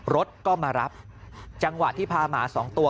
รถก็มารับจังหวะที่พาหมาสองตัว